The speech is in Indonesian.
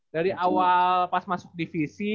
dari awal pas masuk divisi